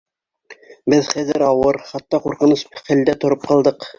Беҙ хәҙер ауыр, хатта ҡурҡыныс хәлдә тороп ҡалдыҡ.